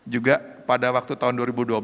juga pada waktu tahun